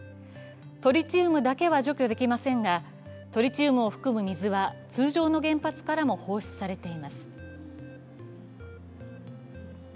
トリチウムだけは除去できませんがトリチウムを含む水は通常の原発からも放出されています。